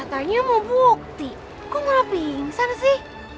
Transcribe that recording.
katanya mau bukti kok ngelap bingsan sih